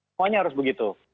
semuanya harus begitu